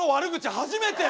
初めてや！